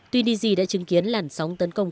tuy di di đã chứng kiến làn sóng tấn công